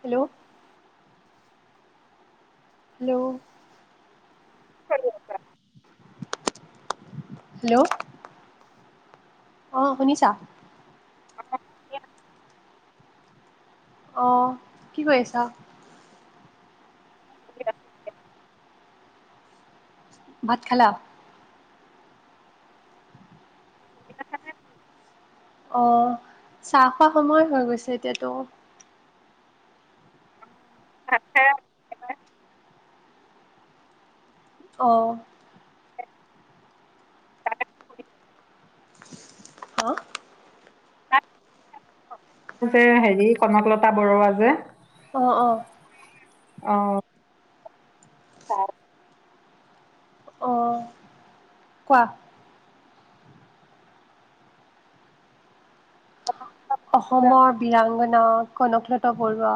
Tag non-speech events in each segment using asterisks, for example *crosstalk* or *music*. Hello hello অ কি কৰি আছা হেল্ল' অ শুনিছা আহ কি কৰি আছা *unintelligible* ভাত খালা পঢ়ি আছা নে আহ চাহ খোৱা সময় হৈ গৈছে এতিয়াতো *inaudible* অহ অহ যে হেৰি কনকলতা বৰুৱা যে অঁ অঁ অ হয় অঁ কোৱা অসমৰ বীৰাংগনা কনকলতা বৰুৱা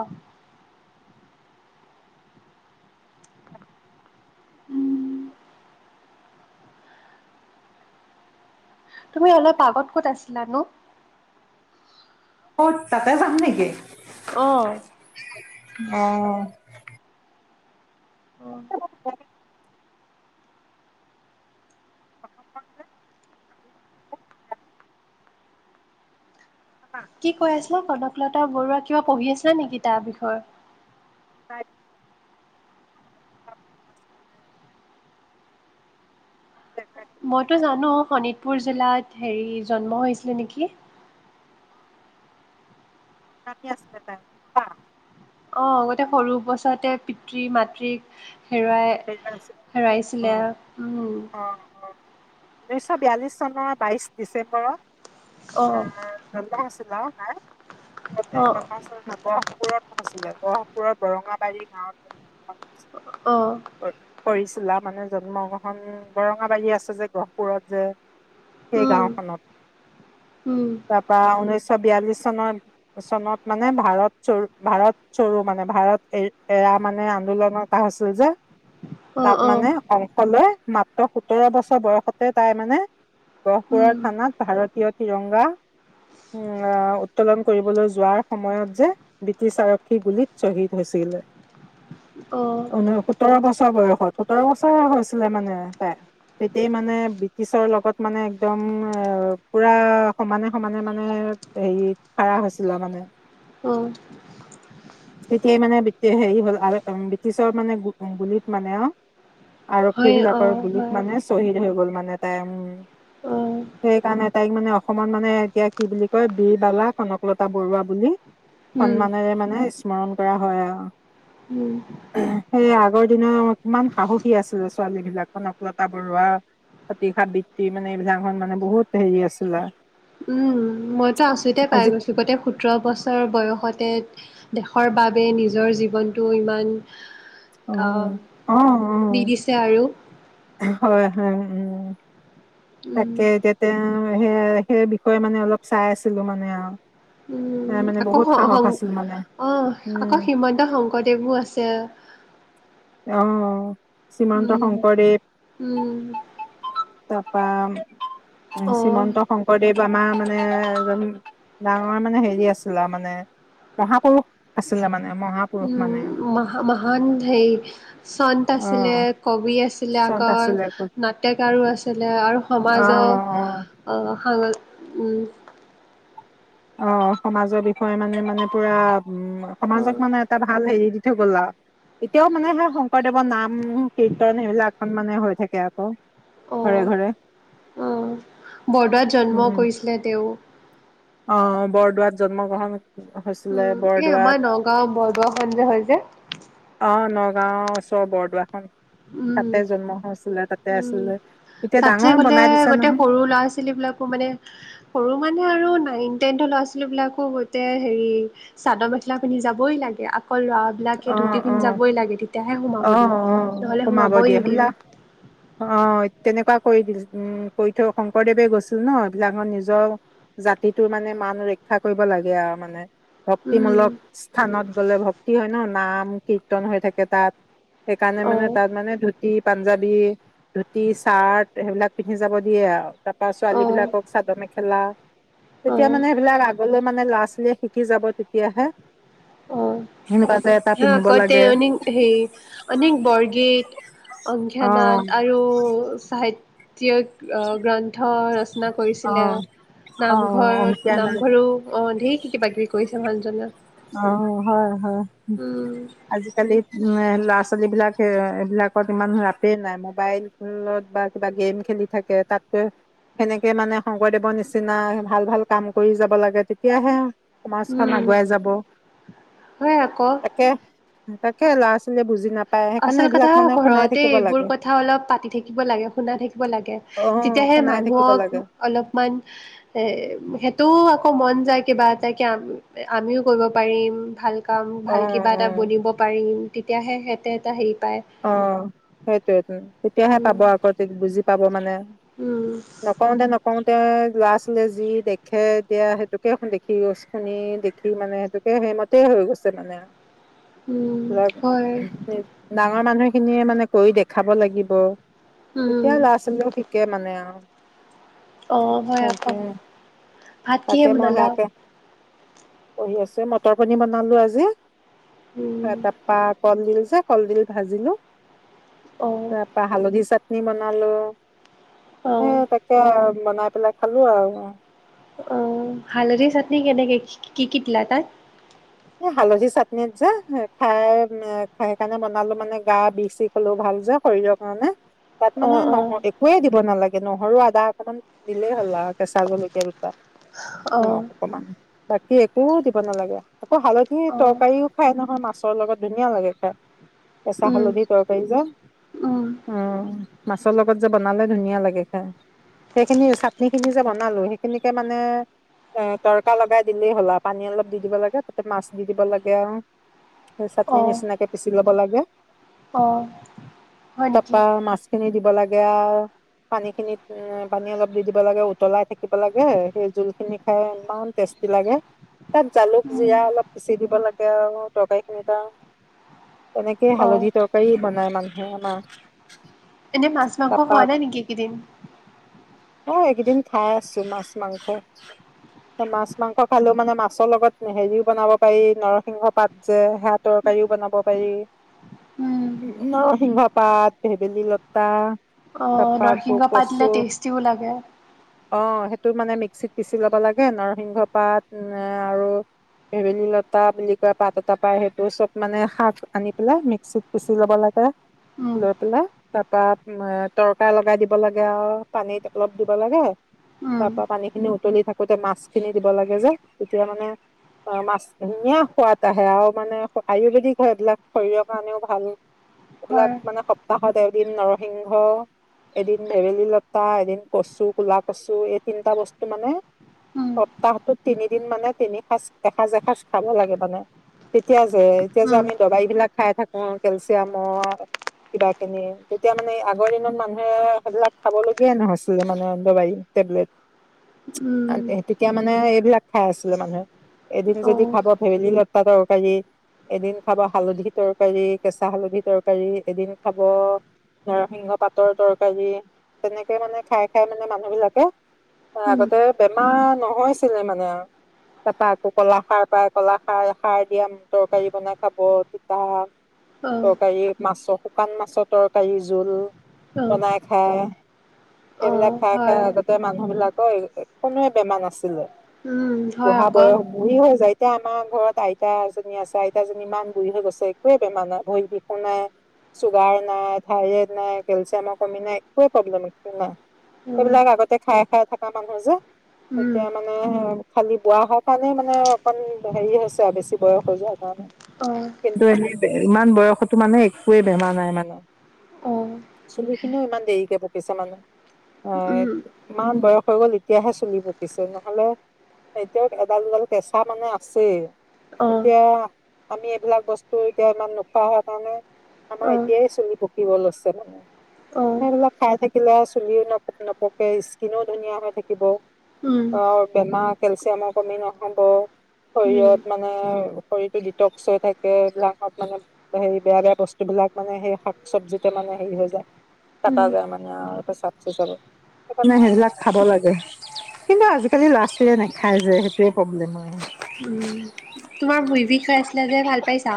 তুমি অলপ আগত ক'ত আছিলানো অ তাতে যাম নেকি? অহ অ অঁ *inaudible* অ কি কৈ আছে কনকলতা বৰুৱা কিবা পঢ়ি আছিলা নেকি তাৰ বিষয়ে *unintelligible* হয় *unintelligible* মইতো জানো শোণিতপুৰ জিলাত হেৰি জন্ম হৈছিলে নেকি? নামি আছিল তাইবা অ আগতে সৰু বছৰতে পিতৃ মাতৃক হেৰুৱাই হেৰুৱাইছিলে ঊনৈশ বিয়াল্লিশ চনৰ বাইশ ডিচেম্বৰত অহ ন নাই া আ ন গৰহপুৰত আছিলে *unintelligible* গহপুৰৰ বৰঙাবাৰী গাঁৱত হৈছিলে। অহ। কৰিছিলা মানে জন্ম গ্ৰহণ বৰঙাবাৰী আছে যে, গহপুৰত যে। সেই উম গাওখনত, উম তাৰ পৰা উনৈছ- ছ বিয়াল্লিশ চনৰ, চনত মানে ভাৰত চৰু, ভাৰত চৰু মানে ভাৰত এ এৰা মানে আন্দোলন এটা হৈছিল যে। অ তাত অ মানে অংশ লৈ মাত্ৰ সোতৰ বছৰ বয়সতে তাই মানে উম গহপুৰৰ থানাত ভাৰতীয় তিৰংগা, উ উত্তোলন কৰিবলৈ যোৱাৰ সময়ত যে ব্ৰিটিছ আৰক্ষী গুলীত শ্বহীদ হৈছিলে। অ সোতৰ বছৰ বয়সত, সোতৰ বছৰ হৈছিলে মানে তাই তেতিয়া মানে ব্ৰিটিছৰ লগত মানে একদম পুৰা সমানে সমানে মানে হেৰি খাৰা হৈছিলে মানে- অ। তেতিয়াই মানে হেৰি হ'ল আৰু ব্ৰিটিছৰ মানে গু গুলিত মানে অ- আৰক্ষী হয় অ বিলাকৰ গুলীত হয় মানে শ্বহীদ হৈ গ'ল মানে- তাই উম, অ সেইকাৰণে তাইক মানে অসমত মানে এতিয়া কি বুলি কয় বীৰবালা কনকলতা বৰুৱা বুলি- উম সন্মানেৰে মানে- স্মৰণ কৰা হয় আৰু, উম সেই আগৰ দিনৰ কিমান সাহসী আছিলে ছোৱালী বিলাক কনকলতা বৰুৱা, প্ৰতিশা বৃত্তি মানে এইবিলাকখন মানে বহুত হেৰি আছিলে। উম মইতো আচৰিতেই পাই আজি গৈছোঁ গোটেই সোতৰ বছৰ বয়সতে- দেশৰ বাবে নিজৰ জীৱনটো ইমান- অ আহ, অ দি অ দিছে আৰু- হয় হয়, উম, উম তাকে এতিয়া তেওঁ সে সেই বিষয়ে মানে অলপ চাই আছিলো মানে আৰু- তাই উম মানে আকৌ বহুত সাহস আছিল মানে অ আকৌ উম হিমন্ত শংকৰদেৱো আছে। অ। শ্ৰীমন্ত উম, শংকৰদেৱ উম। তাৰপৰা অ শ্ৰীমন্ত শংকৰদেৱ, আমাৰ মানে- মানে এজন ডাঙৰ মানে হেৰি আছিলে মানে, মহাপুৰুষ আছিলে মানে- মহাপুৰুষ উম, মানে মহ মহান হেই- চন্ত অ আছিলে, কবি আছিলে চখ আকৌ আছিলে নাট্যকাৰো আছিলে আৰু অ সমাজৰ- অ সমাজৰ বিষয়ে মানে মানে পুৰা- উম, অ' সমাজক মানে এটা- ভাল হেৰি দি থৈ গ'ল আৰু, এতিয়াও মানে সে শংকৰদেৱৰ নাম, কীৰ্তন এইবিলাকখন মানে হৈ থাকে আকৌ ঘৰে অ' ঘৰে- অ' বৰদোৱাত জন্ম উম কৰিছিলে তেওঁ- অ বৰদোৱাত জন্ম গ্ৰহণ- হৈছিলে উম, এই বৰদোৱাত আমাৰ নগাঁও বৰদোৱাখন যে হয় যে- গাঁও ওচৰৰ বৰদোৱাখন- উম, তাতে জন্ম হৈছিলে তাত- উম তাত যে গ'লে দিছে গোটেই নহয় সৰু ল'ৰা ছোৱালী বিলাকো মানে সৰু মানে আৰু- নাইন টেনৰ ল'ৰা ছোৱালী বিলাকৰ সৈতে হেৰি চাদৰ মেখেলা পিন্ধি যাবই লাগে- অকল অ ল'ৰাবিলাকে ধূতি অ পিন্ধি জাবই লাগে তেতিয়াহে অ অ সোমাব দিয়ে নহ'লে সোমাব সোমাবই দিয়ে সেইবিলাক নিদিয়ে। অ তেনেকুৱা কৰি দিল উম কৰি থৈ শংকৰদেৱে গৈছিল ন এইবিলাক নিজৰ জাতিটোৰ মানে মান ৰক্ষা কৰিব লাগে আৰু মানে উম ভক্তিমূলক স্থানত গ'লে ভক্তি হয় ন নাম কীৰ্তন হৈ থাকে তাত সেইকাৰণে মানে অ', তাত মানে ধুতি পাঞ্জাবী ধুতি চাৰ্ট সেইবিলাক পিন্ধি যাব দিয়ে আৰু তাত ছোৱালী অ', বিলাকক চাদৰ মেখেলা তেতিয়া অ', মানে সেইবিলাক আগলৈ মানে লৰা ছোৱালীয়ে শিকি যাব তেতিয়াহে সেনকা হ আগতে অনেক হেৰি অনেক বৰগীত অংকীয়া অ', নাট আৰু চাহিত গ্ৰান্ পথ ৰচনা কৰিছিলে অ', অ', অংকীয়া নামঘৰত নাট নামঘৰো অ ধেৰ কি কিবা কিবি কৰিছে মানুহজনে অ হয় হয় উম, আজি কালি উ ল'ৰা ছোৱালী বিলাক এইবিলাকত ইমান ৰাপেই নাই মোবাইলত বা কিবা গেম খেলি থাকে তাতকৈ সেনেকে মানে শংকৰদেৱৰ নিচিনা ভাল ভাল কাম কৰি যাব লাগে তেতিয়াহে সমাজখন উম, আগুৱাই যাব হয় আকৌ তাকে তাকে ল'ৰা ছোৱালীয়ে বুজি নাপায়। সেইকাৰণে আচল কথা এইবিলাক মানে শুনাই ঘৰতে থাকিব এইবোৰ লাগে কথা অলপ পাতি থাকিব লাগে শুনা থাকিব লাগে অ তেতিয়াহে শুনাই থাকিব মানুহক লাগে অলপমান এ সেইটো মন যায় কিবা এটা আমিও কৰিব পাৰিম ভাল কাম অ ভাল কিবা অ এটা বনিব পাৰিম। তেতিয়াহে সেই তোত আহ অ সেইটো টো তেতিয়াহে উম, পাব আককুজ বুজি পাব মানে উম, নকওঁতে নকওঁতে ল'ৰা ছোৱালীয়ে যি দেখে দিয়া সেইটোকে দেখি শুনি দেখি মানে সেইটোকে সেইমতে হৈ গৈছে মানে উম ধৰক হয় ডাঙৰ মানুহ খিনিয়ে মানে কৰি দেখাব লাগিব উম। তেতিয়া লৰা ছোৱালী শিকে মানে আৰু অ হয় তাকে আকৌ ভাত কিহে তাকে মই বনালা সেয়াকে পঢ়ি আছে মটৰ পনী বনালো আজি উম, তাৰ পৰা কল দিল কলডিল ভাজিলোঁ অ', তাৰ পা হালধি চ নি বনালো উ অ'। তাকে বনাই পেলাই খালো আৰু অ হালধি চাটনি কেনেইক কি কি দিলা তাত এ হালধি চাটনিত যে খাই খাইেই কাৰণে বনালো মানে গা বিষি হলো ভাল যে শৰীৰৰ কাৰণে তাত মানে অ', নহ অ', একোৱে দিব নালাগে নহৰু আদা অকণমান দিলেই হ'ল আৰু কেঁচা জলকীয়া কীয়া দুটা অ', অকন মান বাকী একো দিব নালাগে আকৌ হালধি অ', তৰকাৰিও খাই নহয় মা মাছৰ লগত ধুনীয়া লাগে খাই কেঁচা উম, হালধি তৰকাৰী জ উম, উম মাছৰ লগত যে বনালে ধুনীয়া লাগে খাই সেইখিনি চাটনি খিনি যে বনালো সেইখিনিকে মানে এ তৰকা লগাই দিলেই হ'লা পানী অলপ দি দিব লাগে ত মাছ দি দিব লাগে আৰু চাটনি অ', নিচিনাকে পিচি ল'ব লাগে অ', হয় নেকি? তাপা মাছ খিনি দি পঠালে। লাগে অও আৰু পানী খিনিত পানী অলপ দি দিব লাগে উতলাই থাকিব লাগে সেই জোল খিনি খাই ইমান টেষ্টি লাগে তাত জালুক। উম, জিৰা অলপ পিচি দিব লাগে আৰু তৰকাৰী খিনি ত। কেনেকে অ', হালধি তৰকাৰী বনাই। নাই মানুহে নাই। এনে মাছ মাংস খোৱা নাই নেকি কেইদিন। অঁ এইকেইদিন খাই আছো মাছ মাংস মাছ মাংস খালেও মানে মাছৰ লগত। হেৰিও বনাব পাৰি নৰসিংহ পাত যে সেয়া তৰকাৰীও বনাব পাৰি উম, নৰসিংহ পাত ভেদেলী লতা। অ তাৰপা আকৌ নৰসিংহ পাত কচু দিলে টেষ্টিও লাগে। অ সেইটো মানে মিক্সিত পিচি ল'ব লাগে নৰসিংহ পাত আৰু। ভেদেলী লতা বুলি কয় পাত এটা পায় সেইটো চব মানে শাক আনি পেলাই মিক্সিত পিচি লব লাগে উম, লৈ পেলাই তাৰ পৰা তৰকা লগাই দিব লাগে আৰু পানীত অলপ দিব লাগে উম, তাৰ পৰা পানী খিনি উতলি থাকোতে মাছ খিনি দিব লাগে যে তেতিয়া মানে অ মাছ ধুনীয়া সোৱাদ আহে আৰু মানে আয়ুৰ্বেদিক হয় এইবিলাক শৰীৰৰ কাৰণেও ভাল। যুৱক হয়, মানে সপ্তাহ। মই ত এদিন নৰসিংহ, এদিন ভেদেলী লতা, এদিন কচু কুলা কচু, এই তিনিটা বস্তু মানে উম, সপ্তাহটোত তিনি দিন মানে তিনি সাজ খাওঁ। *inaudible* এসাঁজ এসাঁজ খাব লাগে মানে তেতিয়া। *inaudible* এতিয়া যে উম, আমি দবাই বিলাক যে। *inaudible* খাই থাকো কেলচিয়ামৰ কিবা খিনি তেতিয়া মানে আগৰ দিনত মানুহে সেইবিলাক খাব লগগিয়াই নহৈছিলে মানে দাৱাই টেবলেট। *inaudible* ওম। *inaudible* এতিয়া মানে এইবিলাক খাই আছিলে মানুহে। *inaudible* এদিন যদি অ', খাব ভেদেলী লতা। *inaudible* খাবও পাৰি এদিন খাব হালধি তৰকাৰী কেঁচা হালধি তৰকাৰী, এদিন খাব নৰসিংহ পাতৰ তৰকাৰী, তেনেকে মানে খাই খাই মানে মানুহ বিলাকে। *inaudible* উম, আগতে বেমাৰ। *inaudible* নহৈছিলে মানে তাপা আকৌ। *inaudible* কলা খাৰ পাই কলা খাই খাই বিয়াম তৰকাৰী বনাই খাব তিতা। *inaudible* অ', তৰকাৰী মাছ। *inaudible* শুকান মাছৰ তৰকাৰী জোল। *inaudible* অ', বনাই খাই সেইবিলাক অ', খাই খাই হয়, আগতে মানুহ বিলাক। *inaudible* হয় একনোৱে বেমাৰ নাছিলে। *inaudible* ওম হয় বুঢ়া আকৌ। বয়স *inaudible* বুঢ়ী হৈ যায় এতিয়া আমাৰ ঘৰত আইতা এজনী আছে। আইতাজনী ইমান বুঢ়ী হৈ গৈছে একোৱেই বেমাৰ নাই। ভৰি বিষু নাই, চুগাৰ নাই, থাইৰইড নাই, কেলচিয়ামৰ কমি নাই, একোৱে প্ৰব্লেম নাই। এই উম, বিলাক আগতে খাই খাই থকা মানুহ যে, উম, এতিয়া মানে খালি বুঢ়া হওক বুঢ়ী হওক। *inaudible* মনে মনে অকমান হেৰি হৈছে, আৰু বেছি বয়স হৈ যোৱা কাৰণে অ', কিন্তু, ইমান বয়সতো মানে একোৱে বেমাৰ নাই মানে। অ', চুলি খিনিও ইমান দেৰিকে পকিছে মানে, অ উম, ইমান বয়স হৈ গল এতিয়াহে চুলি পকিছে নহলে এতিয়াও। *inaudible* এডাল দুডাল কেঁচা মানে আছেই। *inaudible* অ', এতিয়া। *inaudible* আমি এইবিলাক বস্তু এতিয়া ইমান নোখোৱা হোৱা কাৰণে। *inaudible* আমাৰ অ', এতিয়ায় চুলি পকিলে। *inaudible* পকিব লৈছে মানে অ', লগ খাই থাকে নপকে চুলিও নপ নপকে স্কিনো ধুনীয়া হৈ থাকিব উম, অ বেমাৰ ন কেলচিয়ামৰ আ কমি নহব শৰীৰত উম, মানে শৰীৰটো ডিটক্স হৈ থাকে লাহত মানে হেৰি বেয়া বেয়া বস্তুবলাক মানে সেই শাক চবজিতে মানে হেৰি হৈ যায় পেটৰ উম, মানে হেকাৰণে উম, সেইবিলাক খাব লাগে কিন্তু আজিকালি ল'ৰা ছোৱালীয়ে নেখায় যে প্ৰব্লেম আহ উম তোমাৰ ভূই বিষ হৈ আছিলে যে ভাল পাইছা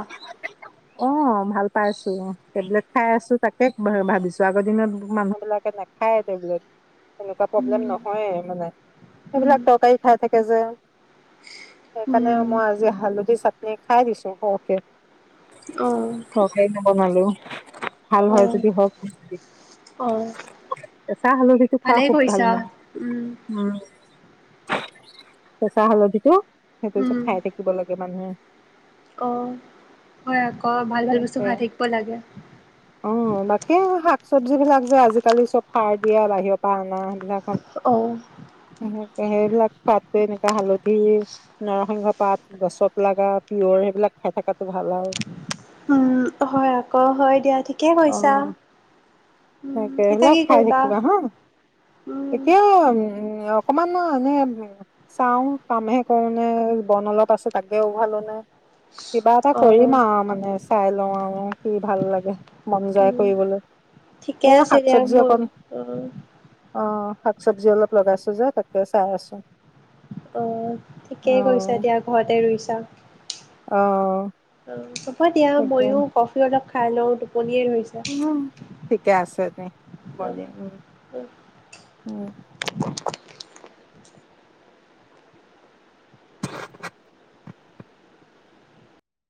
অ ভাল পাইছো টেবলেট খাই আছো তাকে ভাবিছো আগৰ দিনত মানুহ বিলাকে নাখায় টেবলেট এনেকুৱা প্ৰব্লেম উম, নহয় মানে উম, সেইবিলাক তৰকাৰী খাই থাকে যে সেইকাৰণে উম, মই আজি হালধি চাটনি খাই দিছো সৰকে অ', সৰকে নবনালো ভাল হয় অ', যদি হওক অ', চাহ হালধিটো খোৱা ভালেই খুব ভাল কৰিছা, মানে উম, উম *inaudible* কেঁচা হালধিটো সেইটো যে উম, খাই থাকিব লাগে মানুহে অ'। আকৌ ভাল ভাল বস্তু তাকে খাই থাকিব লাগে অ বাকী শাক চবজি বিলাক যে আজিকালি চব সাৰ দিয়া বাহিৰৰ পৰা অনা সেইবিলাক অ সে সেইবিলাক পাতে *unintelligible* নকি কেঁচা হালধি নৰসিংহ পাত গছত লগা তিয় সেইবিলাক খাই থকাতটো ভাল আৰু অ হয় দিয়া ঠিকে অ কৈছা তাকে এতিয়া সেইবিলাক কি খাই কৰিবা থাকিবা হা উম, এতিয়া উ অকমান এনে চাও কামহে কৰো নে বন অলপ আছে তাকে উঘালো নে কিবা এটা কৰিম অ', আৰু মানে চাই লওঁ আৰু কি ভাল লাগে মন যায় উম, কৰিবলৈ ঠিকে এয়া আছে শাক দিয়ক চবজি মই অকন অ অ শাক চব্জি অলপ লগাইছো যে তাকে চাই আছো অ', অ ঠিকেই কৰিছা এতিয়া ঘৰতে ৰুইছা অ *inaudible* *inaudible* অ দিয়া তাকে ময়ো কফি একাপ খালো কলিয়ে ধৰিছিলে ঠিকে আছে দে হ'ব দিয়া উম উম *inaudible* *inaudible*